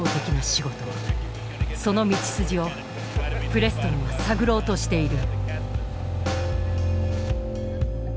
その道筋をプレストンは探ろうとしている。